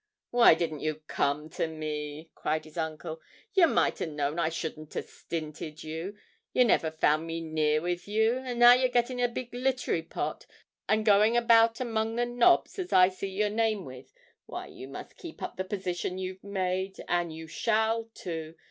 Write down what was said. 'Why didn't you come to me?' cried his uncle; 'you might a' known I shouldn't have stinted you. You've never found me near with you. And now you're getting a big littery pot, and going about among the nobs as I see your name with, why, you must keep up the position you've made and you shall too!